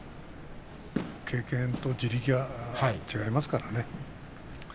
経験と地力はありますからね。